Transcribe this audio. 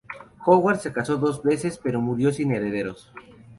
Howard se casó dos veces, pero murió sin herederos.